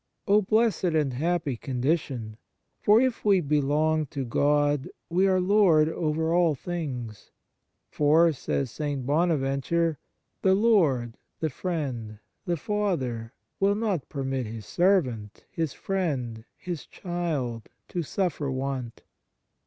Oh blessed and happy condition I For if we belong to God we are lord over all things; " for," says St. Bonaventure, " the Lord, the Friend, the Father, will not permit His servant, His friend, His child, to suffer want."